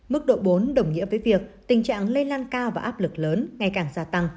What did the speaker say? mức độ bốn đồng nghĩa với việc tình trạng lây lan cao và áp lực lớn ngày càng gia tăng